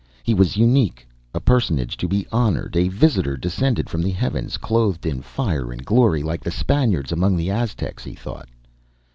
He was unique, a personage to be honored: a visitor descended from the heavens, clothed in fire and glory. Like the Spaniards among the Aztecs, he thought.